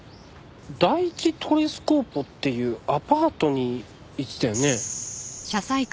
第１トレスコーポっていうアパートに行ってたよね？